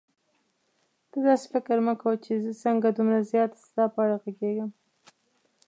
ته داسې فکر مه کوه چې زه څنګه دومره زیاته ستا په اړه غږېږم.